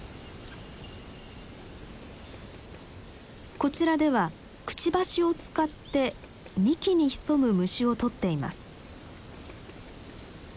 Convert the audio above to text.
こちらではくちばしを使って幹に潜む虫をとっています。